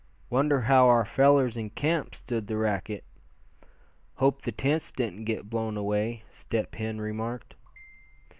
"Wonder how our fellers in camp stood the racket. Hope the tents didn't get blown away," Step Hen remarked.